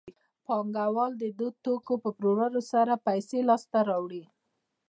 پانګوال د دې توکو په پلورلو سره پیسې لاسته راوړي